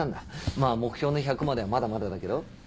まぁ目標の１００まではまだまだだけど。